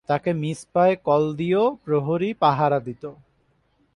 তাকে মিসপায় কলদীয় প্রহরী পাহারা দিতো।